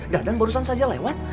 dadang barusan saja lewat